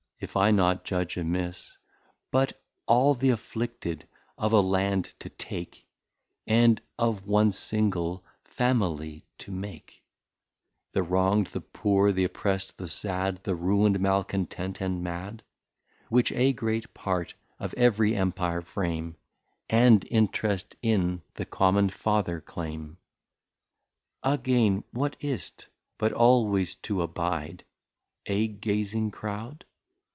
If I not judge amiss. But all th'Afflicted of a Land to take, And of one single Family to make? The Wrong'd, the Poor, th'Opprest, the Sad, The Ruin'd, Malecontent, and Mad? Which a great Part of ev'ry Empire frame, And Interest in the common Father claime. Again what is't, but always to abide A Gazing Crowd?